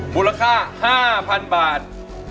มูลค่า๕๐๐๐บาท